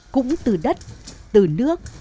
cũng từ đất từ nước